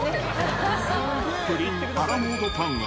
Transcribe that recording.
プリンアラモードパンは、